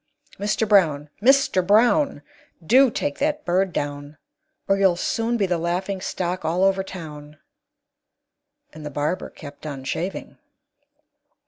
Mister Brown! Mister Brown! Do take that bird down, Or you'll soon be the laughing stock all over town!" And the barber kept on shaving.